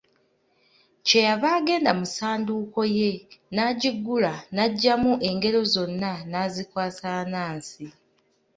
Kye yava agenda mu ssanduuko ye n'agiggula n'aggyamu engero zonna n'azikwasa Anansi.